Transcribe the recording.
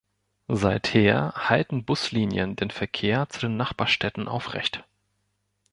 Seither halten Buslinien den Verkehr zu den Nachbarstädten aufrecht.